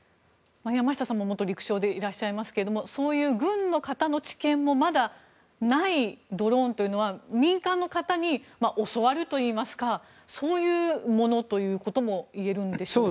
山下さんも元陸将でいらっしゃいますがそういう軍の方の知見もまだないドローンというのは民間の方に教わるといいますかそういうものということも言えるんでしょうか？